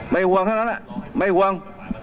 ไม่ห่วงข้างนั้นไม่ห่วง